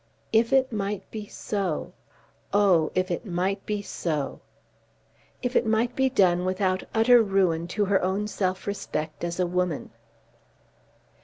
If it might be so! Oh; if it might be so! If it might be done without utter ruin to her own self respect as a woman!